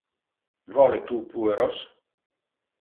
Vole tu pueros?